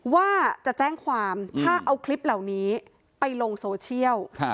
ว่าจะแจ้งความถ้าเอาคลิปเหล่านี้ไปลงโซเชียล